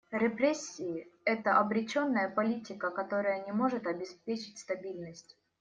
Репрессии — это обреченная политика, которая не может обеспечить стабильность.